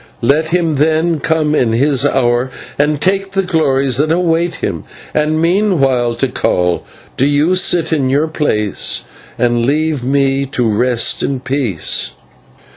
Let him then come in his hour and take the glories that await him, and meanwhile, Tikal, do you sit in your place and leave me to rest in peace."